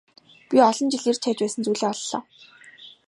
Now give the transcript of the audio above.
Би олон жил эрж хайж байсан зүйлээ оллоо.